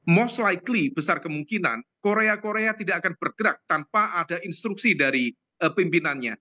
most likely besar kemungkinan korea korea tidak akan bergerak tanpa ada instruksi dari pimpinannya